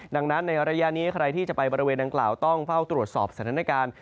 ดังนั้นในระยะนี้ใครที่จะไปบริเวณดังกล่าวต้องเฝ้าตรวจสอบสถานการณ์